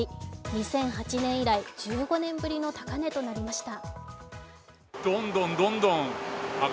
２００８年以来１５年ぶりの高値となりました。